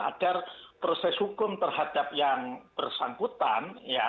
agar proses hukum terhadap yang bersangkutan